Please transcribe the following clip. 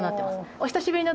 お久しぶりの